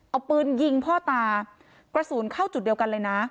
เอาปืนยิงพ่อตากระสุนเข้าจุดเดียวกันเลยนะ